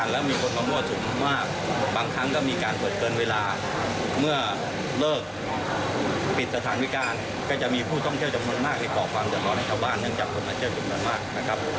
และก็เจ้าหน้าที่อื่นที่เกี่ยวข้องนะครับ